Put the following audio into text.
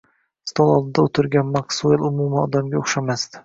Stol oldida o`tirgan Maksuel umuman odamga o`xshamasdi